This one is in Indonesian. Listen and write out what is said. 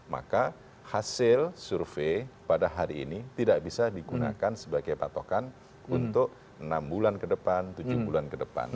maka hasil survei pada hari ini tidak bisa digunakan sebagai patokan untuk enam bulan ke depan tujuh bulan ke depan